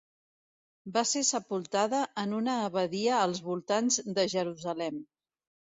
Va ser sepultada en una abadia als voltants de Jerusalem.